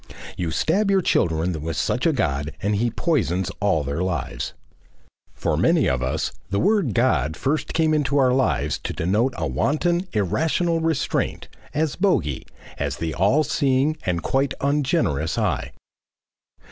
You stab your children with such a God and he poisons all their lives. For many of us the word "God" first came into our lives to denote a wanton, irrational restraint, as Bogey, as the All Seeing and quite ungenerous Eye.